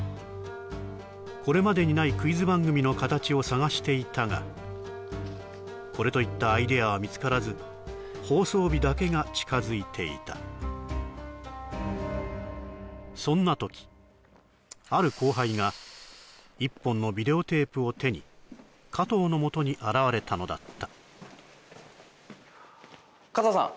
これまでにないクイズ番組の形を探していたがこれといったアイデアは見つからず放送日だけが近づいていたそんな時ある後輩が１本のビデオテープを手に加藤のもとに現れたのだった加藤さん